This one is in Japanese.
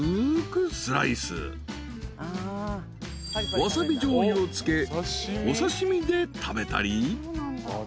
［わさびじょうゆをつけお刺し身で食べたり］